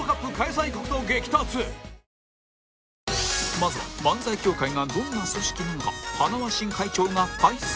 まずは漫才協会がどんな組織なのか塙新会長が解説